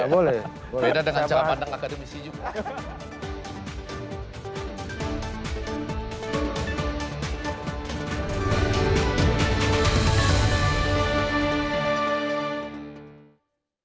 berbeda dengan cara pandang akademisi juga